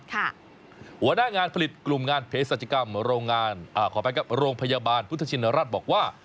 หัวหน้างานผลิตกลุ่มงานเพศรัชกรรมโรงงานขออภัยครับโรงพยาบาลพุทธชินราชบอกว่า